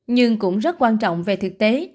nhưng cũng rất quan trọng về thực tế